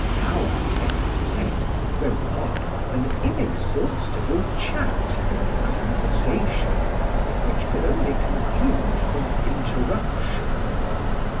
Our tete a tetes were rather an inexhaustible chat than conversation, which could only conclude from interruption.